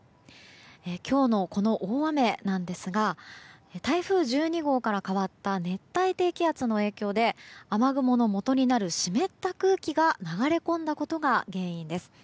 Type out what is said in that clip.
今日の、この大雨なんですが台風１２号から変わった熱帯低気圧の影響で雨雲のもとになる湿った空気が流れ込んだことが原因です。